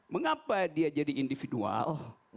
mengapa dia jadi individual